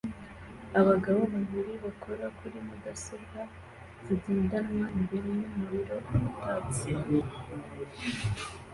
Abagabo babiri bakora kuri mudasobwa zigendanwa imbere yumuriro utatse